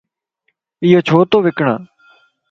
ايو ڇو تو وڪڻ؟